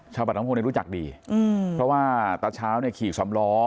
ชาวปากน้ำโพกเนี่ยรู้จักดีเพราะว่าตาชาวเนี่ยขี่สว่ำล้อ